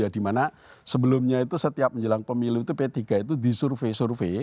dimana sebelumnya itu setiap menjelang pemilu itu p tiga itu disurvey survei